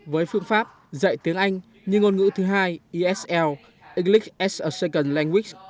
với phương pháp dạy tiếng anh như ngôn ngữ thứ hai esl english as a second language